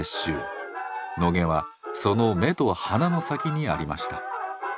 野毛はその目と鼻の先にありました。